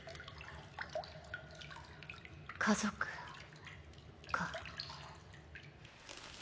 家族か。